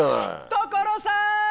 所さん！